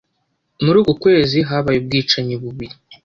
Muri uku kwezi habaye ubwicanyi bubiri.